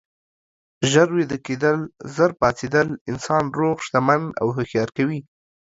ژر ویده کیدل، ژر پاڅیدل انسان روغ، شتمن او هوښیار کوي.